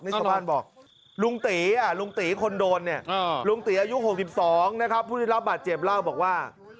นี่ชาวบ้านบอกลุงตีลุงตีคนโดนเนี่ยลุงตีอายุ๖๒นะครับผู้ได้รับบาดเจ็บเล่าบอกว่า